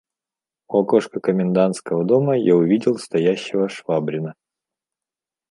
У окошка комендантского дома я увидел стоящего Швабрина.